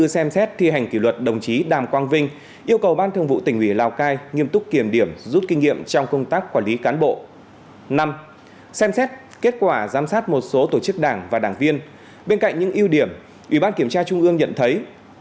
xem xét kết quả giám sát một số tổ chức đảng và đảng viên bên cạnh những ưu điểm ủy ban kiểm tra trung ương nhận thấy